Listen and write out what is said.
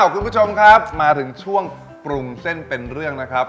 คุณผู้ชมครับมาถึงช่วงปรุงเส้นเป็นเรื่องนะครับ